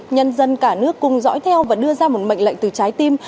nhân dân cả nước cùng dõi theo và đưa ra một mệnh lệnh từ trái tim